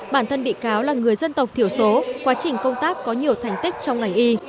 bản thân bị cáo là người dân tộc thiểu số quá trình công tác có nhiều thành tích trong ngành y